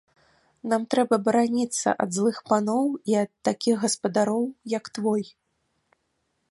Нам трэба бараніцца ад злых паноў і ад такіх гаспадароў, як твой.